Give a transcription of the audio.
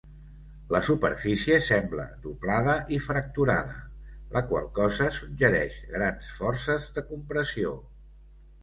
La superfície sembla doblada i fracturada, la qual cosa suggereix grans forces de compressió.